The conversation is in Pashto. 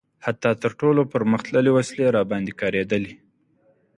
حتی تر ټولو پرمختللې وسلې راباندې کارېدلي.